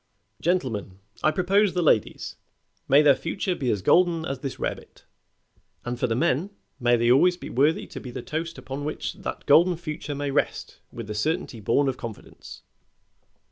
Gentlemen, I propose the ladies: May their future be as golden as this rarebit; and for the men, may they always be worthy to be the toast upon which that golden future may rest with the certainty born of confidence."